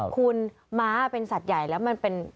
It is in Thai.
คุณม้าเป็นสัตว์ใหญ่แล้วมันเป็น